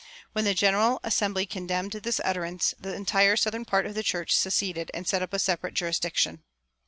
When the General Assembly condemned this utterance, the entire southern part of the church seceded and set up a separate jurisdiction.